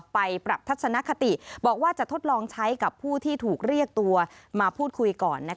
ไปปรับทัศนคติบอกว่าจะทดลองใช้กับผู้ที่ถูกเรียกตัวมาพูดคุยก่อน